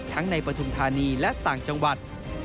ทั้งในประธุมธรรมนี้และต่างจังหวัด